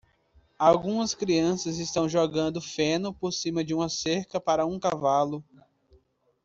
Algumas crianças estão jogando feno por cima de uma cerca para um cavalo.